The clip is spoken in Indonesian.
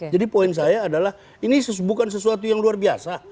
jadi poin saya adalah ini bukan sesuatu yang luar biasa